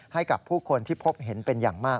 ให้กับผู้คนที่พบเห็นเป็นอย่างมาก